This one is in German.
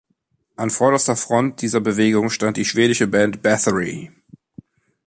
An vorderster Front dieser Bewegung stand die schwedische Band Bathory.